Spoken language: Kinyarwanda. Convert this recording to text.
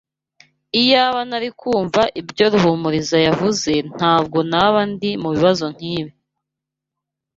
Iyaba nari kumva ibyo Ruhumuriza yavuze, ntabwo naba ndi mubibazo nkibi.